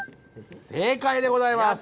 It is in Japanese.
正解でございます！